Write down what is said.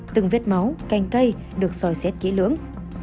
từng vết máu canh cây được soi xét kỹ lưỡng